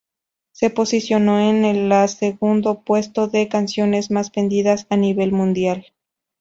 Se posicionó en la segundo puesto de canciones más vendidas a nivel mundial.